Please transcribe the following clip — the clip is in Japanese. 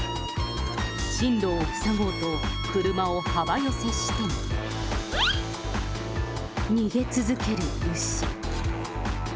進路を塞ごうと、車を幅寄せしても、逃げ続ける牛。